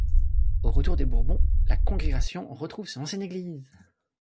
Au retour des Bourbons, la congrégation retrouve son ancienne église.